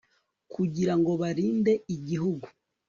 kugira ngo barinde igihugu